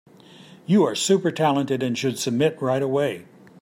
You are super talented and should submit right away.